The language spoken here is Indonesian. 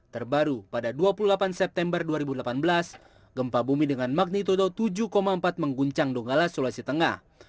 terbaru pada dua puluh delapan september dua ribu delapan belas gempa bumi dengan magnitudo tujuh empat mengguncang donggala sulawesi tengah